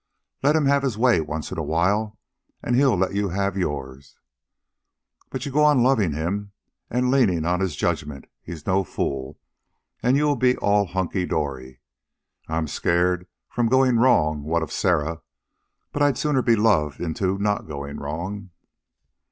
Let him have his way once in a while, and he'll let you have yourn. But you just go on lovin' him, and leanin' on his judgement he's no fool and you'll be all hunky dory. I'm scared from goin' wrong, what of Sarah. But I'd sooner be loved into not going wrong."